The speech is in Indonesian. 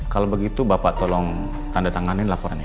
kalau begitu bapak tolong tanda tanganin laporan ini